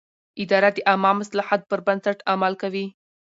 اداره د عامه مصلحت پر بنسټ عمل کوي.